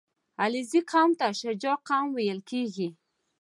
• علیزي قوم ته شجاع قوم ویل کېږي.